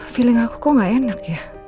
feeling aku kok gak enak ya